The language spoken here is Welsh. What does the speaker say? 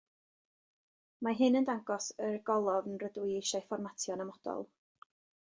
Mae hyn yn dangos y golofn rydw i eisiau'i fformatio'n amodol.